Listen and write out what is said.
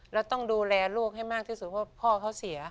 แล้วต้องดูแลลูกให้มากที่สุดเพราะพ่อเขาเสีย